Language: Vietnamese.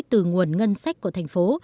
từ nguồn ngân sách của thành phố